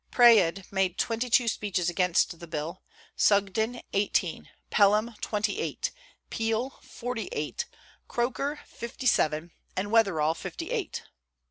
Praed made twenty two speeches against the bill, Sugden eighteen, Pelham twenty eight, Peel forty eight, Croker fifty seven, and Wetherell fifty eight.